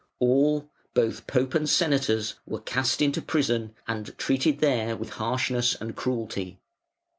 All, both Pope and Senators, were cast into prison and there treated with harshness and cruelty.